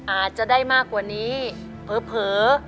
อาจจะได้มากกว่านี้เผลอ